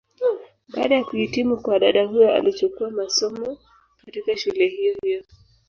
Baada ya kuhitimu kwa dada huyu alichukua masomo, katika shule hiyo hiyo.